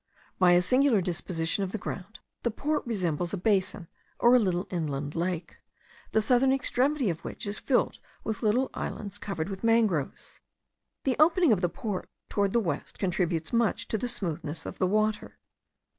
By a singular disposition of the ground the port resembles a basin or a little inland lake, the southern extremity of which is filled with little islands covered with mangroves. The opening of the port towards the west contributes much to the smoothness of the water.